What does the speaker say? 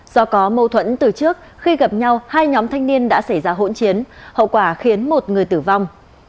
do có mâu thuẫn từ trước khi gặp nhau hai nhóm thanh niên đã xảy ra hỗn chiến hậu quả khiến một người tử vong